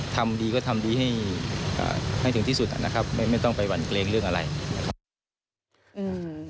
ทำดีก็ทำดีให้ถึงที่สุดนะครับไม่ต้องไปหวั่นเกรงเรื่องอะไรนะครับ